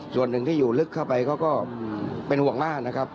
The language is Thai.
ส่วนหนึ่งที่อยู่ลึกเข้าไปเขาก็เป็นห่วงมากนะครับ